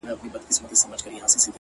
پرمختګ له دوامداره تمرین زېږي